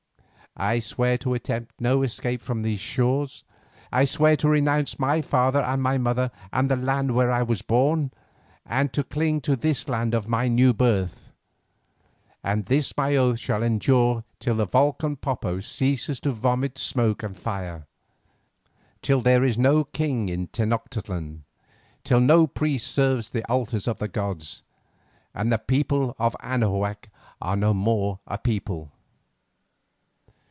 I swear to attempt no escape from these shores. I swear to renounce my father and my mother, and the land where I was born, and to cling to this land of my new birth; and this my oath shall endure till the volcan Popo ceases to vomit smoke and fire, till there is no king in Tenoctitlan, till no priest serves the altars of the gods, and the people of Anahuac are no more a people.